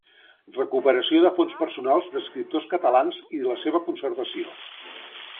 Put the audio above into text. Recuperació de fons personals d'escriptors catalans i la seva conservació.